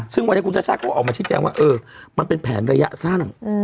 วันเนี้ยคุณชัชชาก็ออกมาชี้แจงว่าเออมันเป็นแผนระยะสั้น